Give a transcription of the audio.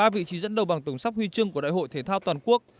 ba vị trí dẫn đầu bằng tổng sắp huy chương của đại hội thể thao toàn quốc